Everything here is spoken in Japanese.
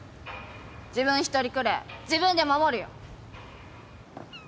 自分一人くれえ自分で守るよ！